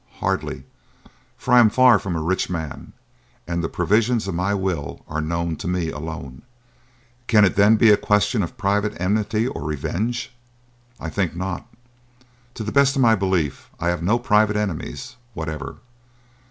Hardly; for I am far from a rich man, and the provisions of my will are known to me alone. Can it then be a question of private enmity or revenge? I think not. To the best of my belief I have no private enemies whatever.